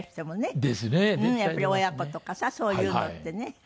やっぱり親子とかさそういうのってね。